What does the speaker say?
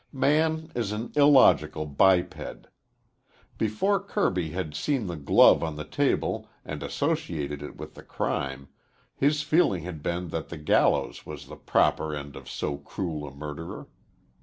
Man is an illogical biped. Before Kirby had seen the glove on the table and associated it with the crime, his feeling had been that the gallows was the proper end of so cruel a murderer.